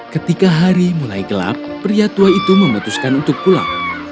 ketika hari mulai gelap pria tua itu memutuskan untuk pulang